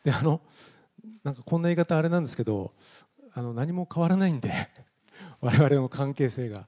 なんかこんな言い方、あれなんですけど、何も変わらないんで、われわれの関係性が。